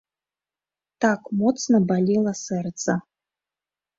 Так моцна балела сэрца.